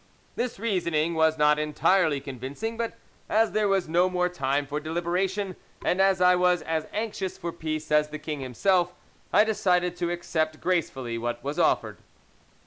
This reasoning was not entirely convincing, but as there was no more time for deliberation, and as I was as anxious for peace as the king himself, I decided to accept gracefully what was offered."